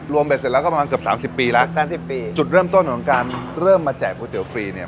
รวมไปเสร็จแล้วก็ประมาณเกือบ๓๐ปีแล้ว๓๐ปีจุดเริ่มต้นของการเริ่มมาแจกก๋วยเตี๋ยวฟรีเนี่ย